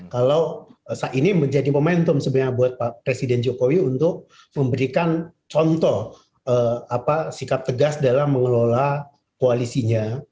kalau saat ini menjadi momentum sebenarnya buat pak presiden jokowi untuk memberikan contoh sikap tegas dalam mengelola koalisinya